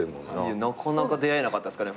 なかなか出会えなかったっすかね